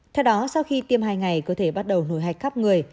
theo đó sau khi tiêm hai ngày cơ thể bắt đầu nổi hạch khắp người